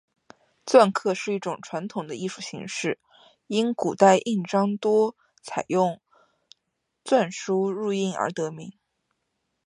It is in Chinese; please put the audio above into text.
篆刻是一种传统的艺术形式，因古代印章多采用篆书入印而得名。